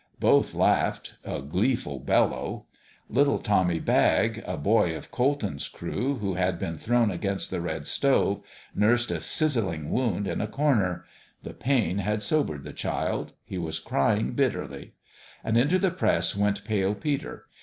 Both laughed a gleeful bellow. Little Tommy Bagg, a boy of Colton's crew, who had been thrown against the red stove, nursed a sizzling wound in a corner : the pain had sobered the child ; he was crying bitterly. And into the press went Pale Peter.